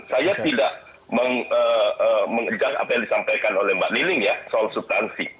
saya tidak mengejar apa yang disampaikan oleh mbak liling ya soal substansi